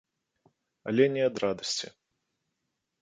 Але не ад радасці.